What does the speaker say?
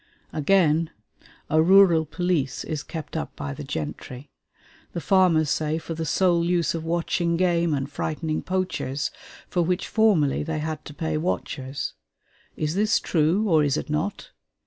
Again, a rural police is kept up by the gentry; the farmers say for the sole use of watching game and frightening poachers, for which formerly they had to pay watchers. Is this true, or is it not?